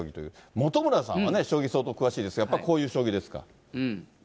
本村さんはね、将棋、相当詳しいですが、やっぱりこういう将棋ですか？